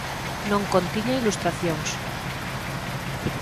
Non contiña ilustracións.